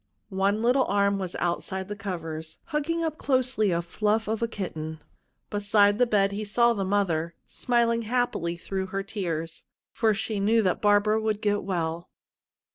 One little arm was outside the covers, hugging up closely a fluff of a kitten. Beside the bed, he saw the mother, smiling happily through her tears, for she knew that Barbara would get well.